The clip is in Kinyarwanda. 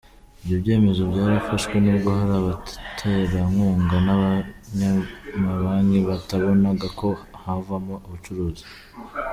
Ibyo byemezo byarafashwe nubwo hari abaterankunga n’abanyamabanki batabonaga ko havamo ubucuruzi.